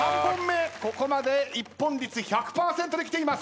ここまで一本率１００％できています。